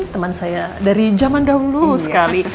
teman saya dari zaman dahulu sekali